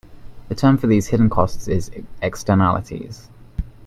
The term for these hidden costs is "Externalities".